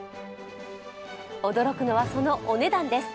驚くのはそのお値段です。